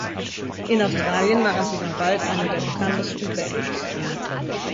In Australien waren sie dann bald eine der bekanntesten Bands.